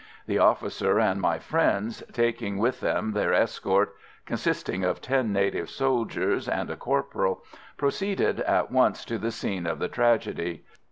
The officer and my friend, taking with them their escort, consisting of ten native soldiers and a corporal, proceeded at once to the scene of the tragedy.